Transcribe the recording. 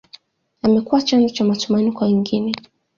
amekuwa chanzo cha matumaini kwa wengine